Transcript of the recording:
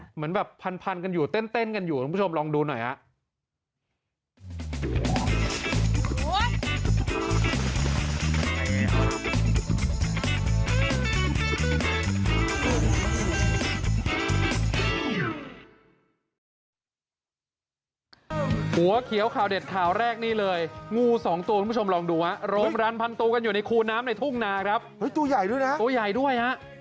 เหมือนแบบพันกันอยู่เต้นกันอยู่คุณผู้ชมลองดูหน่อยฮะ